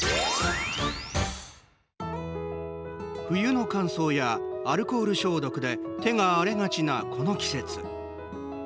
冬の乾燥やアルコール消毒で手が荒れがちな、この季節。